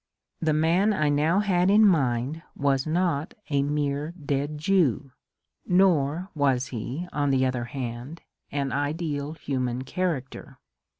The man I now had in mind was not a mere dead Jew, nor was he on the other hand an ideal human character.